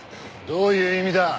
どういう意味だ？